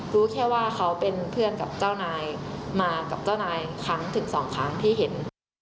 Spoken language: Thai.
รู้แค่ว่าเขาเป็นเพื่อนกับเจ้านายมากับเจ้านายครั้งถึงสองครั้งที่เห็น